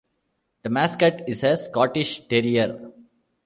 The mascot is a Scottish Terrier.